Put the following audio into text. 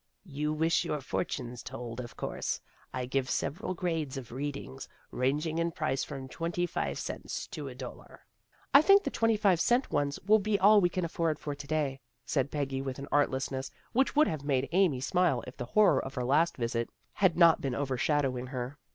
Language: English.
" You wish your fortunes told, of course. I give several grades of readings, ranging in price from twenty five cents to a dollar." " I think the twenty five cent ones will be all we can afford for to day," said Peggy with an artlessness which would have made Amy smile, if the horror of her last visit had not been overshadowing her.